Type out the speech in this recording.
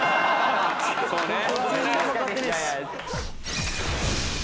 そうね。